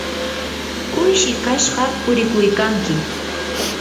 uyshu kashqa purikuykanki.